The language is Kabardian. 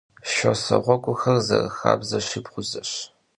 Şşossê ğueguxer, zerıxabzeşi, bğuzeş.